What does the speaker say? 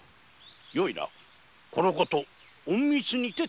よいなこのこと隠密にて頼むぞ！